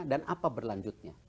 dan apa berlanjutnya